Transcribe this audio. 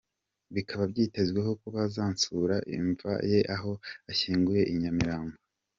Bikaba byitezwe ko bazanasura imva ye aho ashyinguye i Nyamirambo.